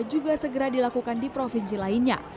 juga segera dilakukan di provinsi lainnya